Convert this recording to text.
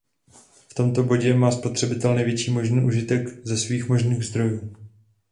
V tomto bodě má spotřebitel největší možný užitek ze svých možných zdrojů.